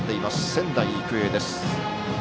仙台育英です。